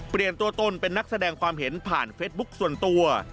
เปลี่ยนตัวตนเป็นนักแสดงความเห็นผ่านเฟสบุ๊คส่วนตัว